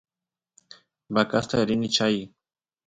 vacasta rini chay